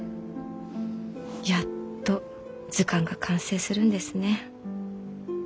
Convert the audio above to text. やっと図鑑が完成するんですね。